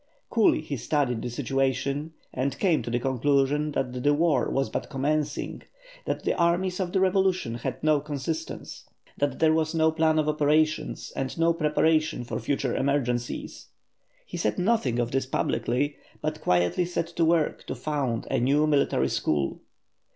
Coolly he studied the situation, and came to the conclusion that the war was but commencing, that the armies of the revolution had no consistence, that there was no plan of operations and no preparation for future emergencies. He said nothing of this publicly, but quietly set to work to found a new military school.